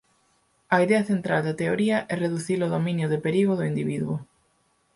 A idea central da teoría é reducir o dominio de perigo do individuo.